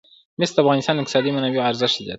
مس د افغانستان د اقتصادي منابعو ارزښت زیاتوي.